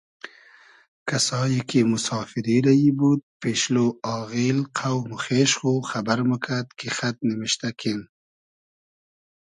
کئسایی کی موسافیری رئیی بود پېشلۉ آغیل قۆم و خېش خو خئبئر موکئد کی خئد نیمشتۂ کین